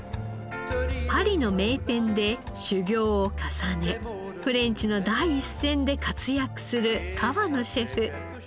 パリの名店で修業を重ねフレンチの第一線で活躍する河野シェフ。